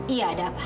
iya ada apa